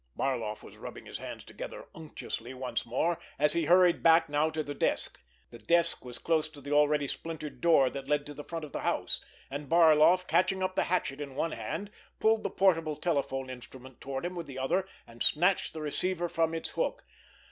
Barloff was rubbing his hands together unctuously once more, as he hurried back now to the desk. The desk was close to the already splintered door that led to the front of the house, and Barloff, catching up the hatchet in one hand, pulled the portable telephone instrument toward him with the other, and snatched the receiver from its hook.